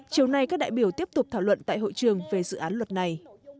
chiều nay các đại biểu tiếp tục thảo luận tại hội trường về dự án luật này